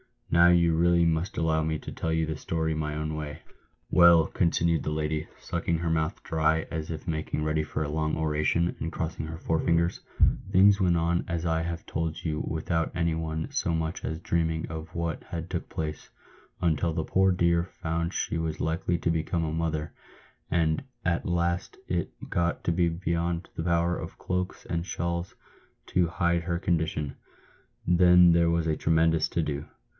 "Now you really must allow me to tell the story my own way. Well," continued the lady, sucking her mouth dry as if making ready for a long ora tion, and crossing her forefingers, " things went on as I have told you without any one so much as dreaming of what had took place, until the poor dear found she was likely to become a motherland at last it got to be beyond the power of cloaks and shawls to hide her condi tion. Then there was a tremendous to do